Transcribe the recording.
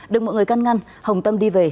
được mọi người căn ngăn hồng tâm đi về